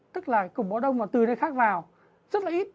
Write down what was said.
tức là cục máu đông từ nơi khác vào rất là ít